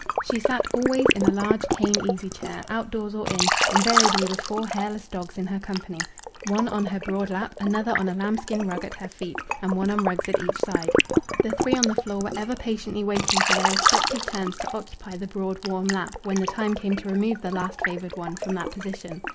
She sat always in a large cane easy chair, outdoors or in, invariably with four hairless dogs in her company, one on her broad lap, another on a lambskin rug at her feet, and one on rugs at each side. The three on the floor were ever patiently waiting for their respective turns to occupy the broad warm lap when the time came to remove the last favoured one from that position.